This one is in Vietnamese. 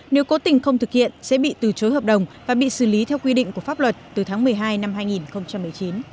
nếu cố tình không thực hiện sẽ bị từ chối hợp đồng và bị xử lý theo quy định của pháp luật từ tháng một mươi hai năm hai nghìn một mươi chín